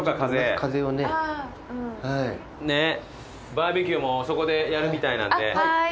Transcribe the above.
バーベキューもそこでやるみたいなんで。